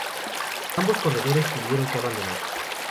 Ambos corredores tuvieron que abandonar.